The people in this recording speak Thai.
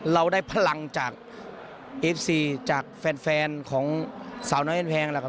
เราได้พลังจากเอฟซีจากแฟนของสาวน้อยแพงแหละครับ